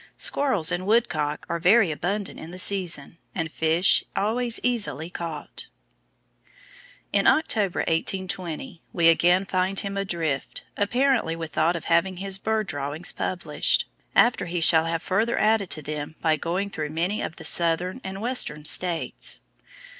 Squirrels and Woodcock are very abundant in the season, and fish always easily caught." In October, 1820, we again find him adrift, apparently with thought of having his bird drawings published, after he shall have further added to them by going through many of the southern and western states.